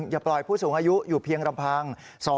อย่าปล่อยผู้สูงอายุอยู่เพียงลำพัง